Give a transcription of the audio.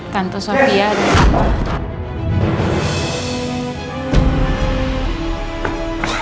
tante sofia dan papa